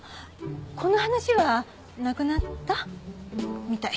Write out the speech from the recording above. この話はなくなったみたい。